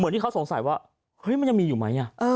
เมื่อที่เขาสงสัยเพียงว่ามันยังมีอยู่ไหม